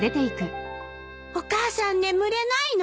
お母さん眠れないの？